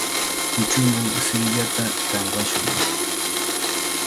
Kuchuman siillata tanqashun.